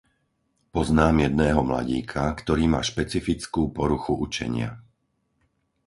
Poznám jedného mladíka, ktorý má špecifickú poruchu učenia.